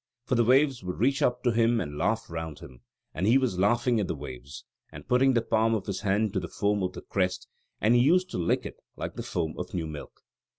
For the waves would reach up to him and laugh round him; and he was laughing at the waves, and putting the palm of his hand to the foam of the crest, and he used to lick it like the foam of new milk."